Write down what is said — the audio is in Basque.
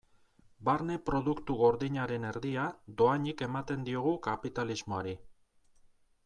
Barne Produktu Gordinaren erdia dohainik ematen diogu kapitalismoari.